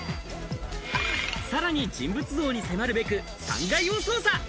さらに人物像に迫るべく、３階を捜査。